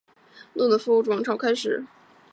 罗曼诺夫王朝开始。